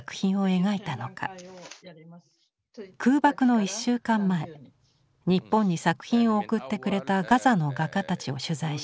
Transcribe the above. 空爆の１週間前日本に作品を送ってくれたガザの画家たちを取材した。